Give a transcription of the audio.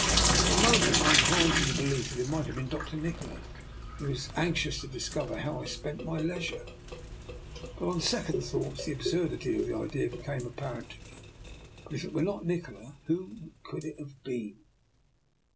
For a moment I inclined to the belief that it might have been Dr. Nikola, who was anxious to discover how I spent my 2lg DR. NIKOLA'S EXPERIMENT. leisure. But on second thoughts the absurd ity of the idea became apparent to me. But if it were not Nikola, who could it have been?